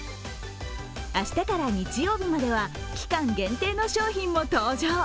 明日から日曜日までは期間限定の商品も登場。